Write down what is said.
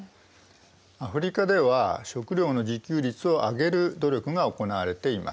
アフリカでは食料の自給率を上げる努力が行われています。